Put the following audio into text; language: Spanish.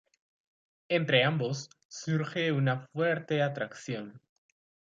Entre ambos surge una fuerte atracción.